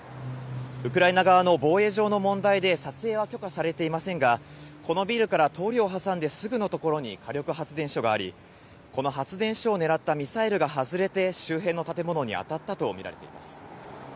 ウクライナ側の防衛上の問題で、撮影は許可されていませんが、このビルから通りを挟んですぐの所に火力発電所があり、この発電所を狙ったミサイルが外れて周辺の建物に当たったと見られています。